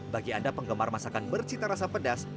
bagi anda penggemar masakan bercita rasa pedas